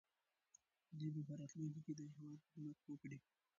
دوی به په راتلونکي کې د هېواد خدمت وکړي.